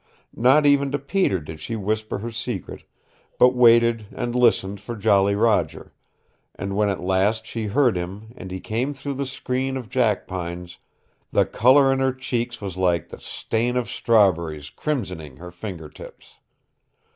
Not even to Peter did she whisper her secret, but waited and listened for Jolly Roger, and when at last she heard him and he came through the screen of jackpines, the color in her cheeks was like the stain of strawberries crimsoning her finger tips.